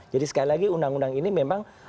jadi sekali lagi undang undang ini memang